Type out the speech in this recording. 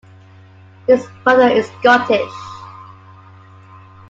His mother is Scottish.